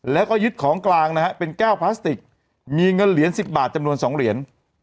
แล้วก็ยึดของกลางนะฮะเป็นแก้วพลาสติกมีเงินเหรียญ๑๐บาทจำนวน๒เหรียญ